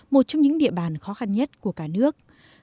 một trong những địa bàn khó khăn nhất của cả nước